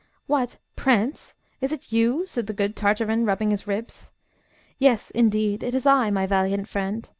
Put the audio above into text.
"What, prince, is it you?" said the good Tartarin, rubbing his ribs. "Yes, indeed, it is I, my valiant friend.